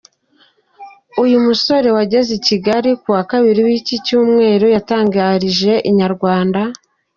Uyu musore wageze i Kigali kuwa Kabiri w’iki Cyumweru, yatangarije inyarwanda.